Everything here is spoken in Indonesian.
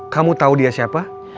kamu tahu dia siapa